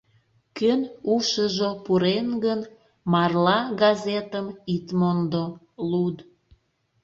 Кӧн ушыжо пурен гын, марла газетым ит мондо, луд!